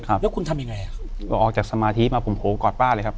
ครับแล้วคุณทำยังไงอ่ะออกจากสมาธิมาผมโผล่กอดป้าเลยครับ